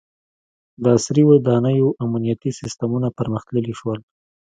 • د عصري ودانیو امنیتي سیستمونه پرمختللي شول.